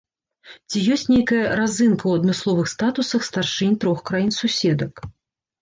Ці ёсць нейкая разынка ў адмысловых статусах старшынь трох краін-суседак.